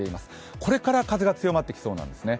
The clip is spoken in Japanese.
これから風が強まってきそうですね。